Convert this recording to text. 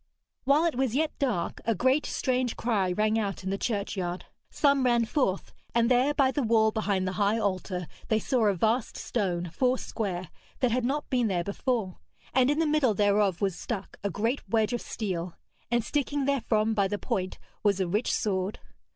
While it was yet dark a great strange cry rang out in the churchyard. Some ran forth, and there by the wall behind the high altar they saw a vast stone, four square, that had not been there before, and in the middle thereof was stuck a great wedge of steel, and sticking therefrom by the point was a rich sword.